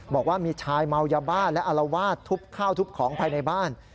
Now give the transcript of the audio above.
บอกว่ามีชายเมายาบ้าและอารวาสทุบข้าวทุบของภายในบ้าน